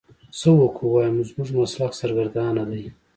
څه وکو ويم زموږ مسلک سرګردانه دی.